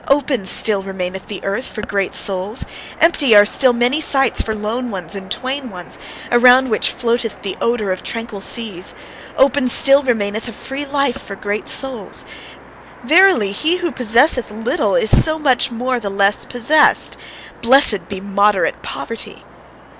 Open still remaineth the earth for great souls. Empty are still many sites for lone ones and twain ones, around which floateth the odour of tranquil seas. Open still remaineth a free life for great souls. Verily, he who possesseth little is so much the less possessed: blessed be moderate poverty!